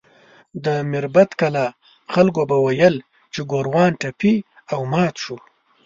د میربت کلا خلکو به ویل چې ګوروان ټپي او مات شو.